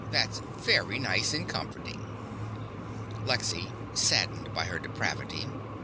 That's very nice and comforting. LEXY (saddened by her depravity).